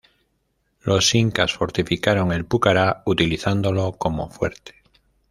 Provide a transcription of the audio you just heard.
Los incas fortificaron el pucará utilizándolo como fuerte.